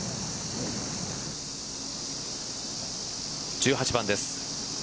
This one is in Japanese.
１８番です。